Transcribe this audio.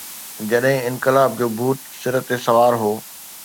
جڏهن انقلاب جو ڀوت سر تي سوار هو.